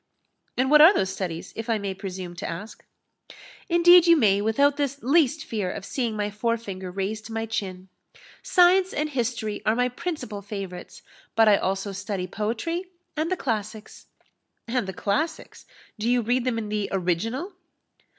"And what are those studies, if I may presume to ask?" "Indeed you may, without the least fear of seeing my fore finger raised to my chin. Science and history are my principal favourites; but I also study poetry and the classics." "And the classics? Do you read them in the original?"